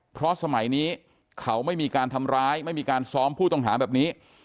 เพราะสมัยนี้เขาไม่มีการทำร้ายไม่มีการซ้อมผู้ต้องหาแบบนี้